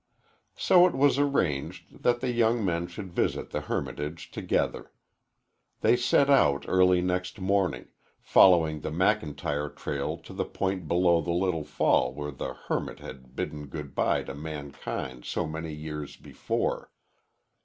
So it was arranged that the young men should visit the hermitage together. They set out early next morning, following the McIntyre trail to the point below the little fall where the hermit had bidden good by to mankind so many years before.